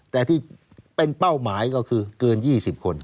แต่ที่เป็นเป้าหมายก็คือเกิน๒๐คน